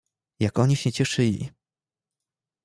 "Jak oni się cieszyli!"